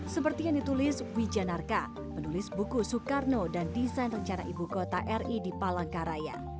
seperti yang ditulis wijanarka menulis buku soekarno dan desain rencana ibu kota ri di palangkaraya